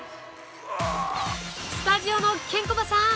スタジオのケンコバさん